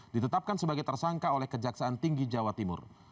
ditetapkan sebagai tersangka oleh kejaksaan tinggi jawa timur